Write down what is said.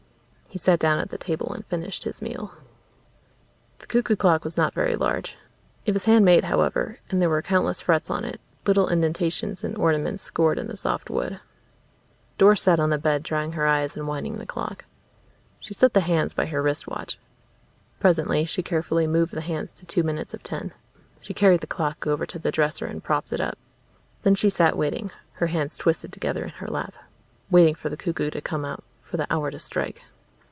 He sat down at the table and finished his meal. The cuckoo clock was not very large. It was hand made, however, and there were countless frets on it, little indentations and ornaments scored in the soft wood. Doris sat on the bed drying her eyes and winding the clock. She set the hands by her wristwatch. Presently she carefully moved the hands to two minutes of ten. She carried the clock over to the dresser and propped it up. Then she sat waiting, her hands twisted together in her lap waiting for the cuckoo to come out, for the hour to strike.